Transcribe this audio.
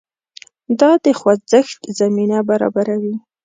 دا د خوځښت زمینه برابروي.